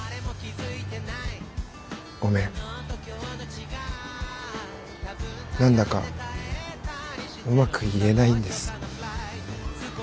ごめん何だかうまく言えないんです。